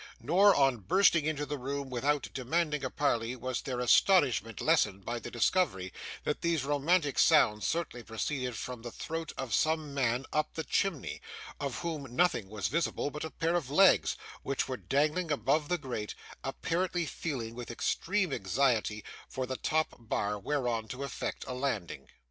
Nor, on bursting into the room without demanding a parley, was their astonishment lessened by the discovery that these romantic sounds certainly proceeded from the throat of some man up the chimney, of whom nothing was visible but a pair of legs, which were dangling above the grate; apparently feeling, with extreme anxiety, for the top bar whereon to effect a landing.